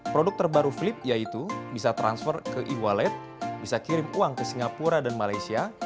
produk terbaru flip yaitu bisa transfer ke e wallet bisa kirim uang ke singapura dan malaysia